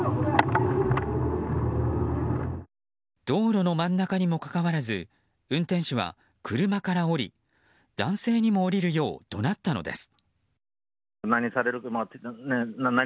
道路の真ん中にもかかわらず運転手は車から降り男性にも降りるようどなったのです。